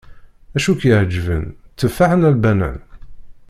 Acu i k-iεeǧben, tteffaḥ neɣ lbanan?